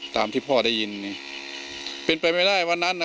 ตามที่พ่อได้ยินนี่เป็นไปไม่ได้วันนั้นน่ะ